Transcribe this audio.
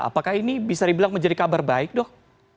apakah ini bisa dibilang menjadi kabar baik dok